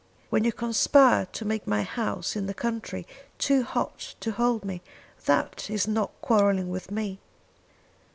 When you conspire to make my house in the country too hot to hold me, that is not quarrelling with me!"